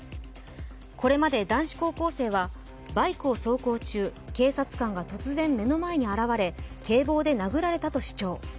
これまで、男子高校生はバイクを走行中警察官が突然、目の前に現れ警棒で殴られたと主張。